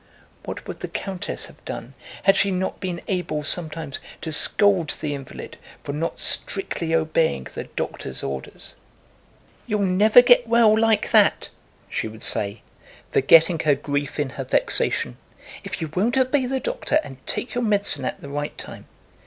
What would the countess have done had she not been able sometimes to scold the invalid for not strictly obeying the doctor's orders? "You'll never get well like that," she would say, forgetting her grief in her vexation, "if you won't obey the doctor and take your medicine at the right time!